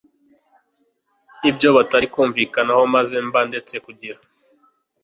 ibyo batari kumvikanaho maze mba ndetse kugira